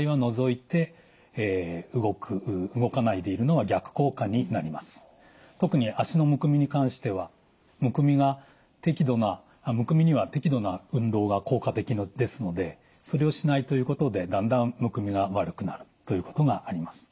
これはですね特に脚のむくみに関してはむくみには適度な運動が効果的ですのでそれをしないということでだんだんむくみが悪くなるということがあります。